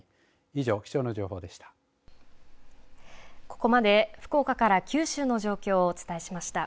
以上、気象情報でした。